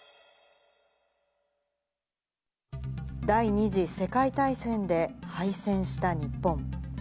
第２次世界大戦で敗戦した日本。